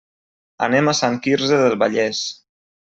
Anem a Sant Quirze del Vallès.